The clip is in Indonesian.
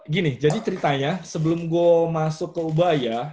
gini jadi ceritanya sebelum gue masuk ke ubaya